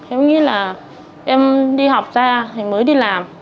em nghĩ là em đi học ra thì mới đi làm